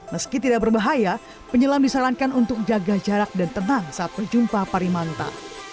meski tidak berbahaya penyelam disarankan untuk jaga jarak dan tenang saat berjumpa parimanta